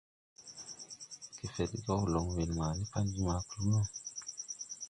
Gefedgew loŋ weel ma ni pan bi ma kluu no.